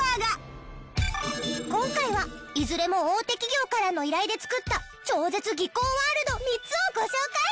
今回はいずれも大手企業からの依頼で作った超絶技巧ワールド３つをご紹介！